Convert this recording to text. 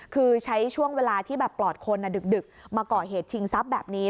คือใช้ช่วงเวลาที่แบบปลอดคนดึกมาก่อเหตุชิงทรัพย์แบบนี้